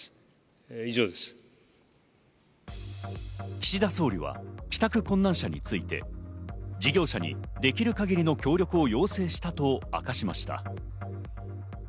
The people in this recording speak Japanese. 岸田総理は帰宅困難者について事業者にできる限りの協力を要請したと明かしました。